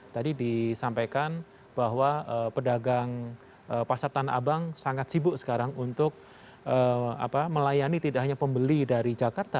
tadi disampaikan bahwa pedagang pasar tanah abang sangat sibuk sekarang untuk melayani tidak hanya pembeli dari jakarta